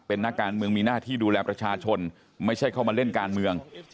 เป็นนักการเมืองมีหน้าที่ดูแลประชาชนไม่ใช่เข้ามาเล่นการเมือง